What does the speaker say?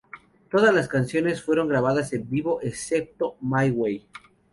Todas las canciones fueron grabadas en vivo, excepto "My Way".